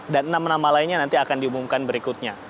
dan enam nama lainnya nanti akan diumumkan berikutnya